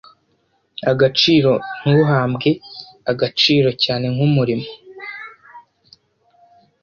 agaciro ntuhambwe agaciro cyane nk’umurimo